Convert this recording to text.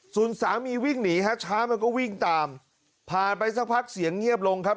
ส่วนสามีวิ่งหนีฮะช้ามันก็วิ่งตามผ่านไปสักพักเสียงเงียบลงครับ